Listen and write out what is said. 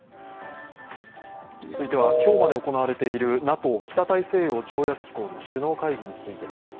続いては、今日まで行われているＮＡＴＯ＝北大西洋条約機構の首脳会議についてです。